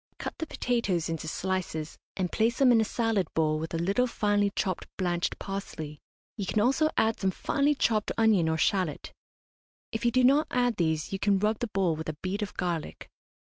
Cut the potatoes into slices, and place them in a salad bowl with a little finely chopped blanched parsley. You can also add some finely chopped onion or shallot. If you do not add these you can rub the bowl with a bead of garlic.